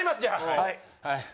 はい。